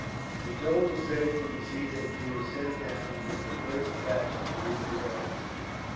He told the surgeon to see that you were sent down with the first batch of wounded officers."